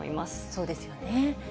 そうですよね。